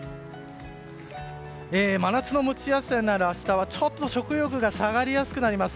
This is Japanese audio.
真夏の蒸し暑さになる明日はちょっと食欲が下がりやすくなります。